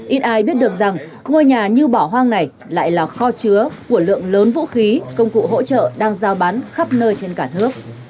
ít ai biết được rằng ngôi nhà như bỏ hoang này lại là kho chứa của lượng lớn vũ khí công cụ hỗ trợ đang giao bán khắp nơi trên cả nước